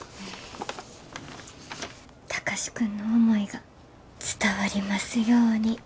貴司君の思いが伝わりますように。